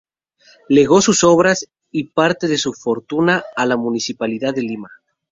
Legó sus obras y parte de su fortuna a la Municipalidad de Lima.